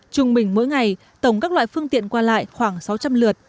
trung bình mỗi ngày tổng các loại phương tiện qua lại khoảng sáu trăm linh lượt